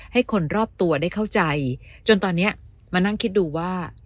ให้คนรอบตัวได้เข้าใจจนตอนนี้มานั่งคิดดูว่า